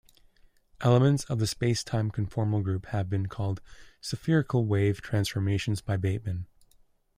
Elements of the spacetime conformal group have been called spherical wave transformations by Bateman.